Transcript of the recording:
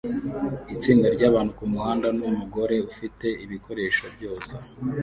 Itsinda ryabantu kumuhanda numugore ufite ibikoresho byoza